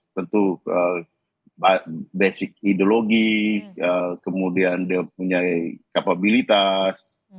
tentu basic ideologi kemudian dia punya kapabilitas